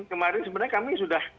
kemarin sebenarnya kami sudah